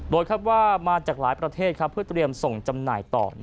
โดยคาดว่ามาจากหลายประเทศเพื่อเตรียมส่งจำหน่ายต่อ